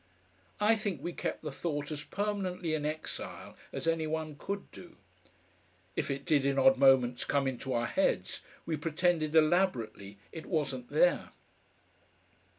I think we kept the thought as permanently in exile as any one could do. If it did in odd moments come into our heads we pretended elaborately it wasn't there.